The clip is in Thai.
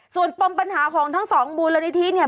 ส่วนปมปัญหาของทั้งสองมูลนิธิเนี่ย